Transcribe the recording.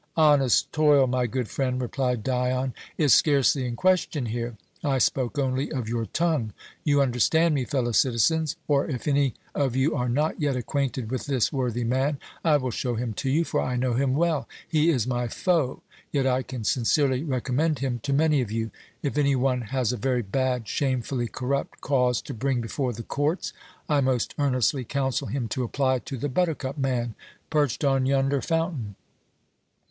"Honest toil, my good friend," replied Dion, "is scarcely in question here. I spoke only of your tongue. You understand me, fellow citizens. Or, if any of you are not yet acquainted with this worthy man, I will show him to you, for I know him well. He is my foe, yet I can sincerely recommend him to many of you. If any one has a very bad, shamefully corrupt cause to bring before the courts, I most earnestly counsel him to apply to the buttercup man perched on yonder fountain.